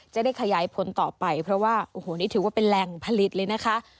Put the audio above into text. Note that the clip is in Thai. จะได้ขยายผลต่อไปเพราะว่าโอ้โหนี่ถือว่าเป็นแหล่งผลิตเลยนะคะ